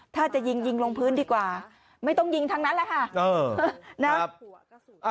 ถ้าจะยิงยิงลงพื้นดีกว่าไม่ต้องยิงทั้งนั้นแหละค่ะ